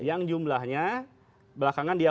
yang jumlahnya belakangan dia